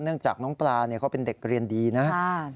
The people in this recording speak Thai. จากน้องปลาเขาเป็นเด็กเรียนดีนะครับ